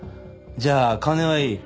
じゃあ金はいい。